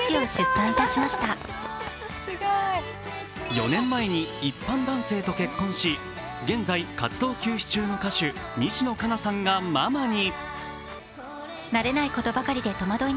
４年前に一般男性と結婚し、現在、活動休止中の歌手西野カナさんがママに。